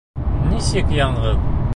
Нисек яңғыҙ?